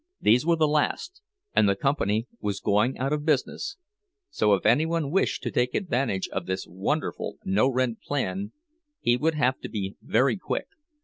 These were the last, and the company was going out of business, so if any one wished to take advantage of this wonderful no rent plan, he would have to be very quick.